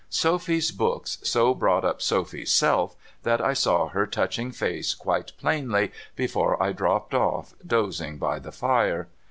Sophy's books so brought up Sophy's self, that I saw her toucliing face (juite plainly, before I dropped off dozing by the fire.